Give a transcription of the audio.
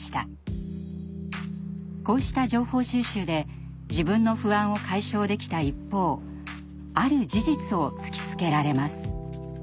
こうした情報収集で自分の不安を解消できた一方ある事実を突きつけられます。